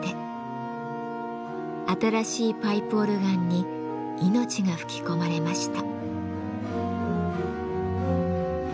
新しいパイプオルガンに命が吹き込まれました。